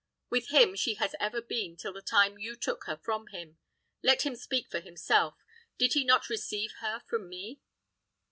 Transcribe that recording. "With him she has ever been till the time you took her from him. Let him speak for himself. Did he not receive her from me?"